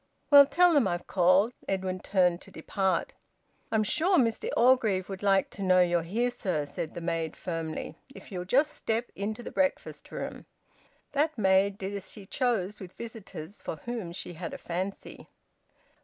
"Well, tell them I've called." Edwin turned to depart. "I'm sure Mr Orgreave would like to know you're here, sir," said the maid firmly. "If you'll just step into the breakfast room." That maid did as she chose with visitors for whom she had a fancy.